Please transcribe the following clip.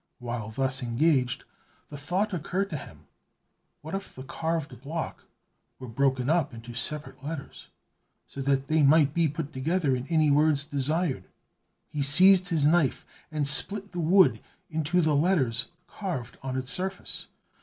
While thus engaged, the thought occurred to him, What if the carved block were broken up into separate letters, so that they might be put together in any words desired? He seized his knife and split the wood into the letters carved on its surface.